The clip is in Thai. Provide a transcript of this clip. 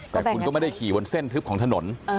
แต่คุณก็ไม่ได้ขี่บนเส้นทึบของถนน